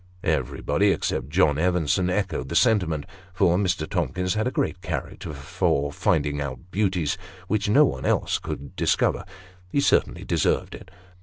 Everybody (except John Evenson) echoed the sentiment ; for Mr. Tomkins had a great character for finding out beauties which no one else could discover he certainly deserved it.